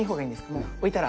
もう置いたら。